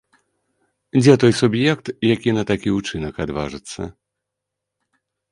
Дзе той суб'ект, які на такі ўчынак адважыцца?